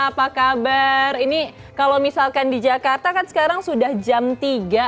apa kabar ini kalau misalkan di jakarta kan sekarang sudah jam tiga